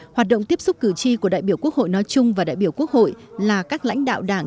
hoạt động tiếp xúc cử tri của đại biểu quốc hội nói chung và đại biểu quốc hội là các lãnh đạo đảng